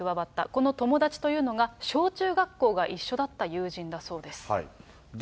この友達というのが、小中学校が一緒だった友人だそうです。